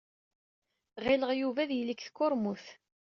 Ɣileɣ Yuba ad yili deg tkurmut.